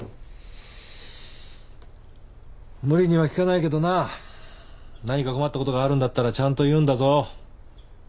・無理には聞かないけどな何か困ったことがあるんだったらちゃんと言うんだぞ。